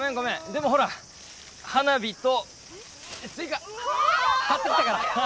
でもほら花火とスイカ買ってきたから！